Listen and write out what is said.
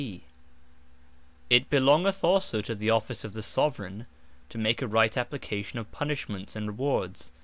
Punishments It belongeth also to the Office of the Soveraign, to make a right application of Punishments, and Rewards.